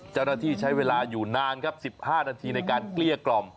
เจ้าหน้าที่ใช้เวลาอยู่นานครับ๑๕นาทีในการเกลี้ยกล่อม